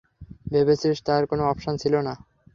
ভেবেছিস তার কোনো অপশন ছিল না?